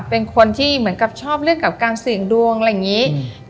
เป็นคนที่เหมือนกับชอบเรื่องกับการเสี่ยงดวงอะไรอย่างนี้